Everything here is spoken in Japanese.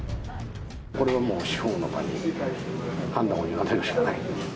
これはもう司法の場に判断を委ねるしかない。